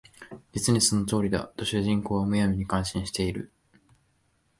実にその通りだ」と主人は無闇に感心している